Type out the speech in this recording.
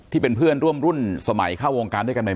ที่เป็นเพื่อนร่วมรุ่นสมัยเข้าวงการด้วยกันใหม่